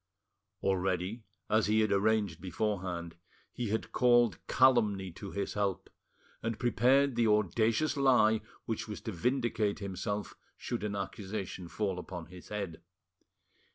Already, as he had arranged beforehand, he had called calumny to his help, and prepared the audacious lie which was to vindicate himself should an accusation fall upon his head.